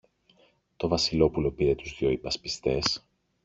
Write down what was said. Το Βασιλόπουλο πήρε τους δυο υπασπιστές